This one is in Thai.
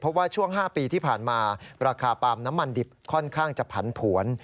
เพราะว่าช่วง๕ปีที่ผ่านมาราคาปาล์มน้ำมันดิบค่อนข้างจะผันผวน